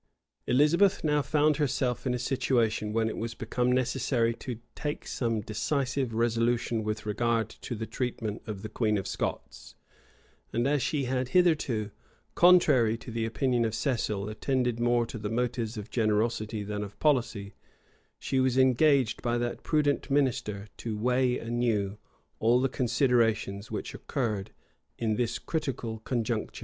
Elizabeth now found herself in a situation when it was become necessary to take some decisive resolution with regard to her treatment of the queen of Scots; and as she had hitherto, contrary to the opinion of Cecil, attended more to the motives of generosity than of policy,[] she was engaged by that prudent minister to weigh anew all the considerations which occurred in this critical conjuncture.